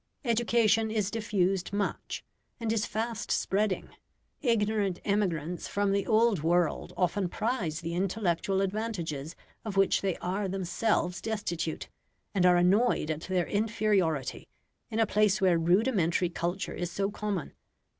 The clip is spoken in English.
Education is diffused much, and is fast spreading, Ignorant emigrants from the Old World often prize the intellectual advantages of which they are themselves destitute, and are annoyed at their inferiority in a place where rudimentary culture is so common.